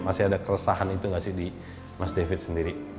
masih ada keresahan itu nggak sih di mas david sendiri